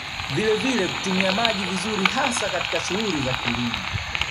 Vilevile kutumia maji vizuri hasa katika shughuli za kilimo